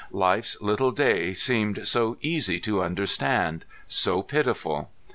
Life's little day seemed so easy to understand, so pitiful.